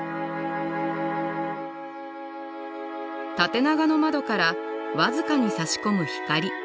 縦長の窓から僅かにさし込む光。